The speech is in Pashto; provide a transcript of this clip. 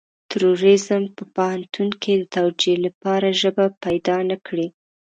تروريزم په پوهنتون کې د توجيه لپاره ژبه پيدا نه کړي.